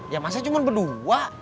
ya masa cuma berdua